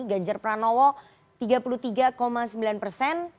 ganjar pranowo tiga puluh tiga sembilan persen